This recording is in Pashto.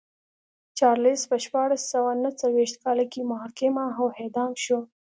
چارلېز په شپاړس سوه نه څلوېښت کال کې محاکمه او اعدام شو.